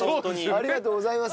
ありがとうございます。